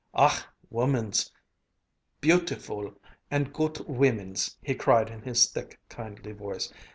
"Ach, womens, beautifool and goot womens!" he cried in his thick, kindly voice.